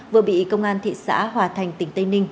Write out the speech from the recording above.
vừa bị công an thị xã hòa thành tỉnh tây ninh